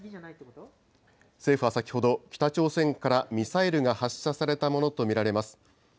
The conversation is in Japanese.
政府は先ほど、北朝鮮からミサイルが発射されたとものと見られます。